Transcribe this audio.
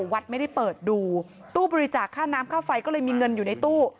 วัดไม่ได้เปิดดูตู้บริจาคค่าน้ำค่าไฟก็เลยมีเงินอยู่ในตู้